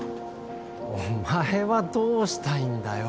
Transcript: お前はどうしたいんだよ